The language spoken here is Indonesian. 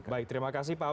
baik terima kasih pak witt